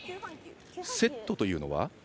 セットというのは？